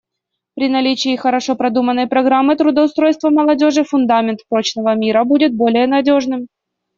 При наличии хорошо продуманной программы трудоустройства молодежи фундамент прочного мира будет более надежным.